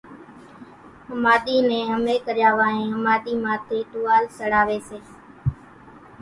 ۿماۮِي نين ۿمي ڪريا وانھين ۿماۮي ماٿي ٽوئان سڙاوي سي